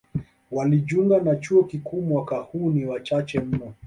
Walijunga na chuo kikuu mwaka huu ni wachache mno.